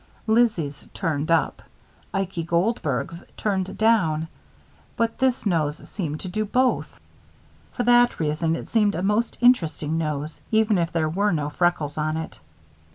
Lizzie's turned up, Ikey Goldberg's turned down; but this nose seemed to do both. For that reason, it seemed a most interesting nose, even if there were no freckles on it.